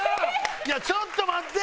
いやちょっと待って！